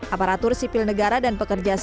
aparatur sipil negara dan pekerja